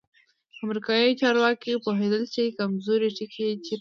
امریکایي چارواکي پوهېدل چې کمزوری ټکی چیرته دی.